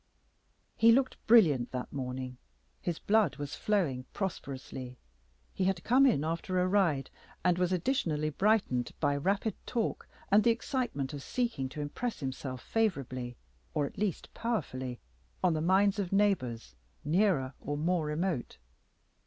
He looked brilliant that morning; his blood was flowing prosperously. He had come in after a ride, and was additionally brightened by rapid talk and the excitement of seeking to impress himself favorably, or at least powerfully, on the minds of neighbors nearer or more remote.